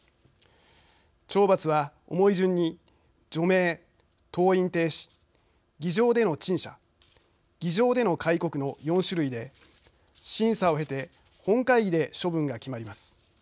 懲罰は重い順に除名登院停止議場での陳謝議場での戒告の４種類で審査を経て本会議で処分が決まります。